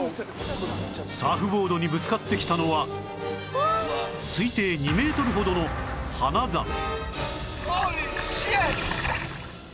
サーフボードにぶつかってきたのは推定２メートルほどのハナザメ